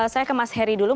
saya ke mas heri dulu